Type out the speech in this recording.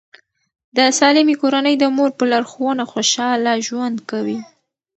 د سالمې کورنۍ د مور په لارښوونه خوشاله ژوند کوي.